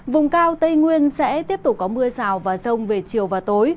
vùng cao tây nguyên sẽ tiếp tục có mưa rào và rông về chiều và tối